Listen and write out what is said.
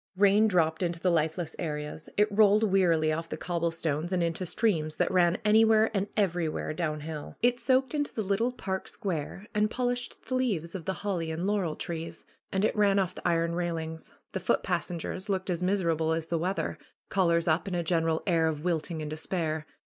Eain dropped into the lifeless areas. It rolled wearily off the cobblestones and into streams that ran anywhere and everywhere downhill. It soaked into the little park square and polished the leaves of the holly and laurel trees. And it ran off the iron railings. The foot passengers looked as miserable as the weather, collars up and a general air of wilting and despair.